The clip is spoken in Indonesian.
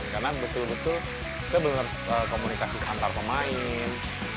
karena betul betul kita benar komunikasi antar pemain